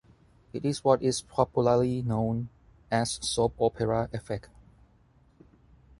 It is what is popularly known as soap opera effect.